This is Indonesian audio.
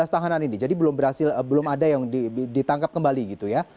enam belas tahanan ini jadi belum berhasil belum ada yang ditangkap kembali gitu ya